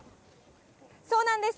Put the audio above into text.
そうなんです。